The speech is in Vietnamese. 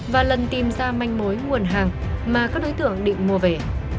và lần tìm ra manh mối nguồn hàng mà các đối tượng định mua về